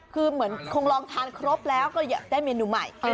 คือเหมือนคงลองทานครบแล้วก็อยากได้เมนูใหม่